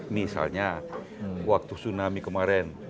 misalnya waktu tsunami kemarin